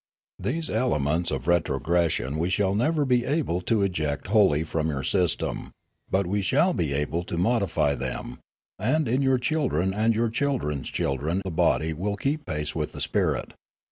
These elements of retrogression we shall never be able to eject wholly from your system ; but we shall be able to modify them, 12 Limanora and in your children and your children's children the body will keep pace with the spirit.